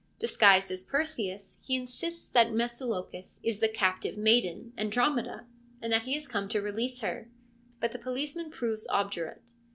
Disguised as Perseus he insists that Mnesilochus is the captive maiden, Andromeda, and that he has come to release her. But the policeman proves obdurate.